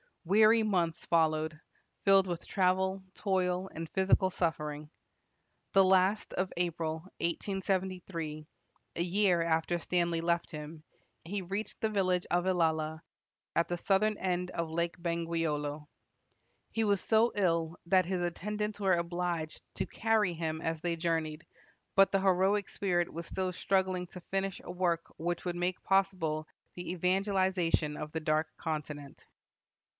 Weary months followed, filled with travel, toil, and physical suffering. The last of April, 1873, a year after Stanley left him, he reached the village of Ilala, at the southern end of Lake Bangweolo. He was so ill that his attendants were obliged to carry him as they journeyed, but the heroic spirit was still struggling to finish a work which would make possible the evangelization of the Dark Continent.